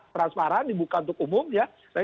transparan dibuka untuk umum ya saya